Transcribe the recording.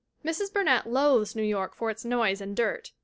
Mrs. Burnett loathes New York for its noise and dirt.